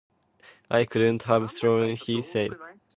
'I could have sworn,' he said.